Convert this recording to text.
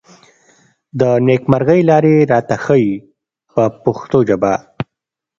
د نېکمرغۍ لارې راته ښيي په پښتو ژبه.